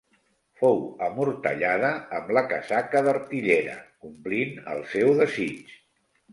Fou amortallada amb la casaca d'artillera, complint el seu desig.